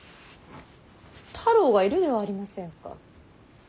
太郎がいるではありませんか。